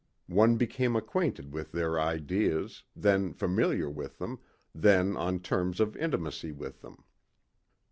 One became acquainted with their ideas, then familiar with them, then on terms of intimacy with them.